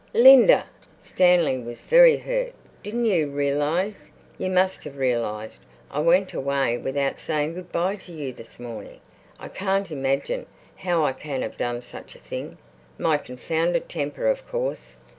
"Linda!"—Stanley was very hurt—"didn't you realize—you must have realized—I went away without saying good bye to you this morning? I can't imagine how I can have done such a thing. My confounded temper, of course.